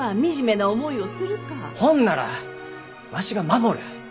ほんならわしが守る。